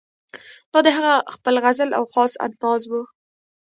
دا د هغه خپله غزل او خاص انداز وو.